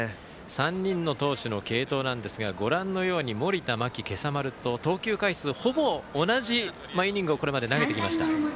３人の投手の継投なんですがご覧のように盛田、間木、今朝丸とすべて同じイニングを投げてきました。